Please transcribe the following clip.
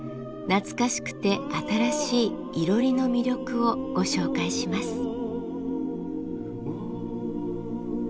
懐かしくて新しいいろりの魅力をご紹介します。